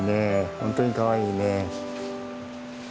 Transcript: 本当にかわいいね。